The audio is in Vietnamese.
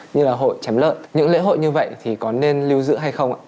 như là hội chám lợn những lễ hội như vậy thì có nên lưu giữ hay không ạ